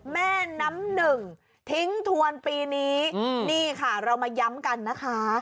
แม่น้ำหนึ่งทิ้งทวนปีนี้นี่ค่ะเรามาย้ำกันนะคะ